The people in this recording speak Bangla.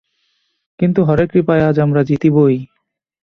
কিন্তু হরের কৃপায় আজ আমরা জিতিবই।